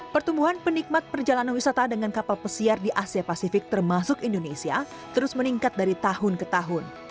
pertumbuhan penikmat perjalanan wisata dengan kapal pesiar di asia pasifik termasuk indonesia terus meningkat dari tahun ke tahun